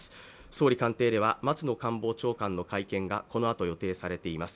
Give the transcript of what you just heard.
総理官邸では松野官房長官の会見がこのあと予定されています。